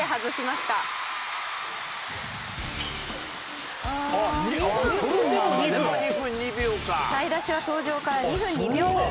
「歌い出しは登場から２分２秒後」